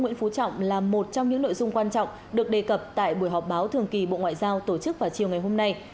nguyễn phú trọng là một trong những nội dung quan trọng được đề cập tại buổi họp báo thường kỳ bộ ngoại giao tổ chức vào chiều ngày hôm nay